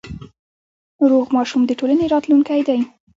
روغ ماشوم د ټولنې راتلونکی دی۔